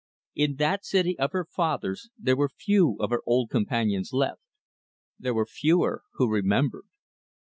In that city of her father's there were few of her old companions left. There were fewer who remembered.